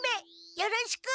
よろしく。